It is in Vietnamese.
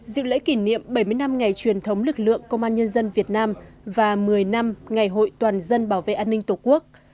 dự lễ kỷ niệm bảy mươi năm ngày truyền thống lực lượng công an nhân dân việt nam và một mươi năm ngày hội toàn dân bảo vệ an ninh tổ quốc